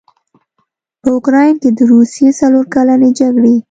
په اوکراین کې د روسیې څلورکلنې جګړې